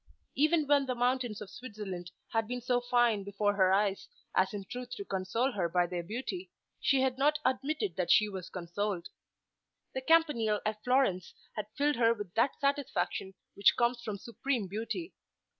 Even when the mountains of Switzerland had been so fine before her eyes as in truth to console her by their beauty, she had not admitted that she was consoled. The Campanile at Florence had filled her with that satisfaction which comes from supreme beauty.